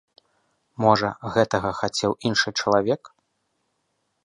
Можа, гэтага хацеў іншы чалавек.